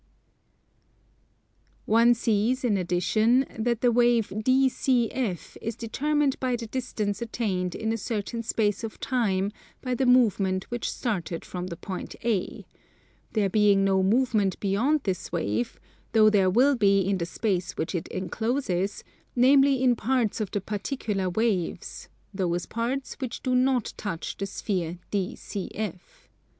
One sees, in addition, that the wave DCF is determined by the distance attained in a certain space of time by the movement which started from the point A; there being no movement beyond this wave, though there will be in the space which it encloses, namely in parts of the particular waves, those parts which do not touch the sphere DCF.